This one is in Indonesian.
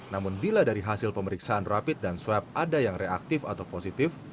namun bila dari hasil pemeriksaan rapid dan swab ada yang reaktif atau positif